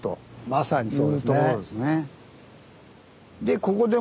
まさにそうですね。